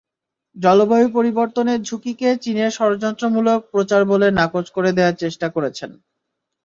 জলবায়ু পরিবর্তনের ঝুঁকিকে চীনের ষড়যন্ত্রমূলক প্রচার বলে নাকচ করে দেওয়ার চেষ্টা করেছেন।